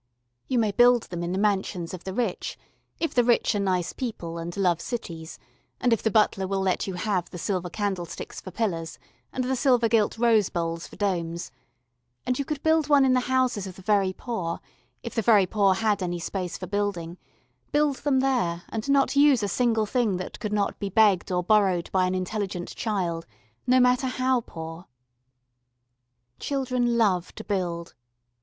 You may build them in the mansions of the rich, if the rich are nice people and love cities, and if the butler will let you have the silver candlesticks for pillars, and the silver gilt rose bowls for domes; and you could build one in the houses of the very poor, if the very poor had any space for building build them there and not use a single thing that could not be begged or borrowed by an intelligent child, no matter how poor. Children love to build.